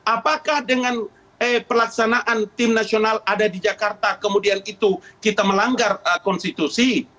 apakah dengan pelaksanaan tim nasional ada di jakarta kemudian itu kita melanggar konstitusi